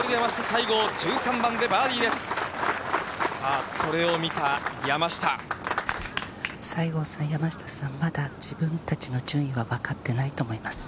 西郷さん、山下さん、まだ自分たちの順位は分かってないと思います。